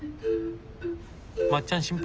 まっちゃん心配。